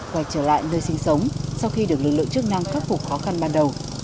quay trở lại nơi sinh sống sau khi được lực lượng chức năng khắc phục khó khăn ban đầu